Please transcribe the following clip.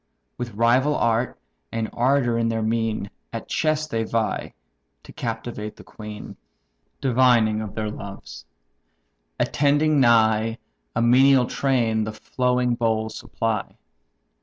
With rival art, and ardour in their mien, At chess they vie, to captivate the queen; Divining of their loves. Attending nigh, A menial train the flowing bowl supply.